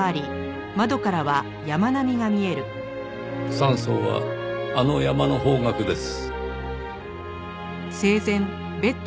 山荘はあの山の方角です。